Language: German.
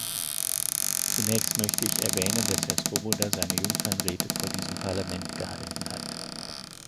Zunächst möchte ich erwähnen, dass Herr Swoboda seine Jungfernrede vor diesem Parlament gehalten hat.